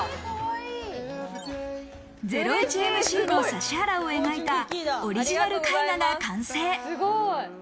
ゼロイチＭＣの指原を描いたオリジナル絵画が完成。